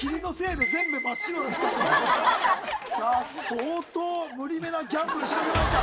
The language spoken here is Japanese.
相当無理めなギャンブル仕掛けました。